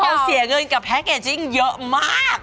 เสียเงินกับแพ็คเกจจิ้งเยอะมาก